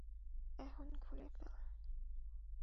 এখন, খুলে ফেল দেখি।